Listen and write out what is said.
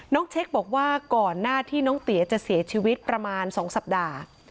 เช็คบอกว่าก่อนหน้าที่น้องเตี๋ยจะเสียชีวิตประมาณ๒สัปดาห์